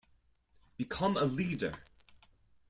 Become a leader!